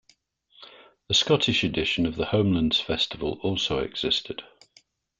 A Scottish edition of the Homelands festival also existed.